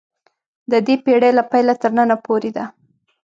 د دې پېړۍ له پیله تر ننه پورې ده.